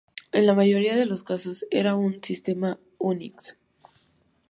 En la mayoría de los casos era en un sistema Unix.